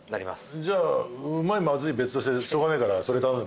じゃあうまいまずい別としてしょうがないからそれ。